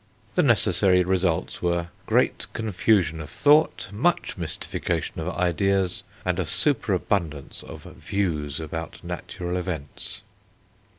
The necessary results were; great confusion of thought, much mystification of ideas, and a superabundance of views about natural events.